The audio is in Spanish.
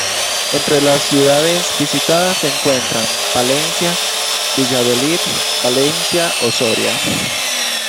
Entre las ciudades visitadas se encuentran: Palencia, Valladolid, Valencia o Soria.